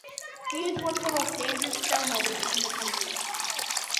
He is one of the most dangerous criminals in the country.